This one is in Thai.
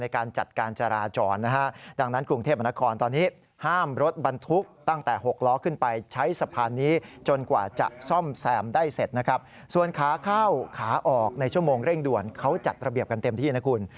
ขาเข้าขาออกในชั่วโมงเร่งด่วนเขาจัดระเบียบกันเต็มที่นะคุณ